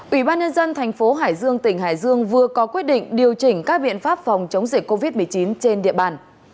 ủy ban nhân dân thành phố hải dương tỉnh hải dương vừa có quyết định điều chỉnh các biện pháp phòng chống dịch covid một mươi chín trên địa bàn